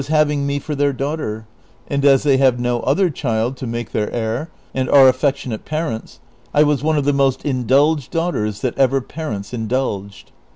229 was haviiijj: me for their daughter; and as they have no other child to make their heir, and are affectionate parents, I was one of the most indulged daughters that ever parents indulged.